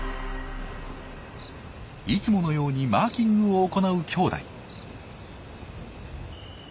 いつものようにマーキングを行う兄弟。